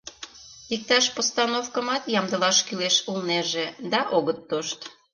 Иктаж постановкымат ямдылаш кӱлеш улнеже, да огыт тошт.